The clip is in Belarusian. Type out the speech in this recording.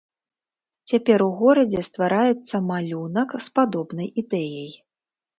Цяпер у горадзе ствараецца малюнак з падобнай ідэяй.